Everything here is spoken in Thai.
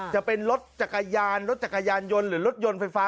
จะเป็นรถจักรยานรถจักรยานยนต์หรือรถยนต์ไฟฟ้า